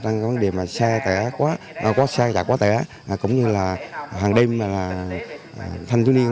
nó có vấn đề mà xe chạy quá tẻ cũng như là hàng đêm là thanh chú niên